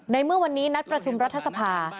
เมื่อวันนี้นัดประชุมรัฐสภา